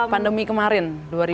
pandemi kemarin dua ribu dua puluh